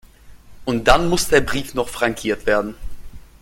Und dann muss der Brief noch frankiert werden.